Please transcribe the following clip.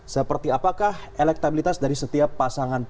seperti apakah elektabilitas dari setiap pasangan